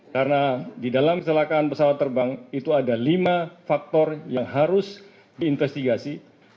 karena di dalam keselakaan pesawat terbang itu ada lima faktor yang harus diinvestigasi